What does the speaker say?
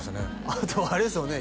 あとあれですよね